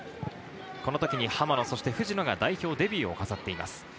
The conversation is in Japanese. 浜野、そして藤野が代表デビューを飾っています。